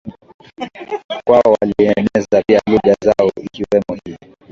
kwao walieneza pia lugha zao ikiwemo hii